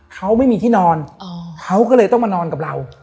เขาไม่มีที่นอนเขาก็เลยต้องมานอนกับเรา